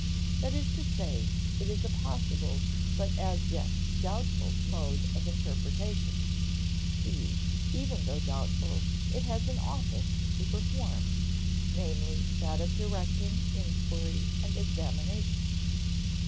That is to say, it is a possible but as yet doubtful mode of interpretation. (b) Even though doubtful, it has an office to perform; namely, that of directing inquiry and examination.